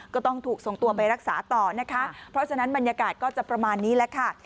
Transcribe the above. ก็ต้องถูกส่งตัวไปรักษาต่อนะคะเพราะฉะนั้นบรรยากาศก็จะประมาณนี้แหละค่ะ